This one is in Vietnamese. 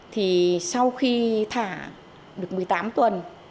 thì sau khi thả được một mươi tám tuần